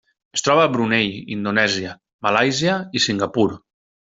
Es troba a Brunei, Indonèsia, Malàisia i Singapur.